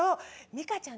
ミカちゃん